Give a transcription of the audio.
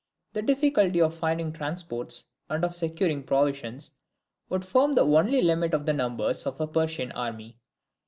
The difficulty of finding transports and of securing provisions would form the only limit to the numbers of a Persian army.